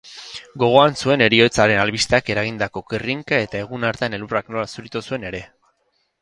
Gogoan zuen heriotzaren albisteak eragindako kirrinka eta egun hartan elurrak nola zuritu zuen ere